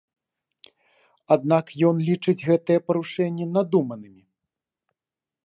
Аднак ён лічыць гэтыя парушэнні надуманымі.